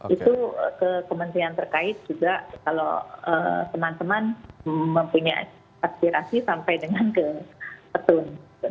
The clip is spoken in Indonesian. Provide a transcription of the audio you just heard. itu ke kementerian terkait juga kalau teman teman mempunyai aspirasi sampai dengan ke petun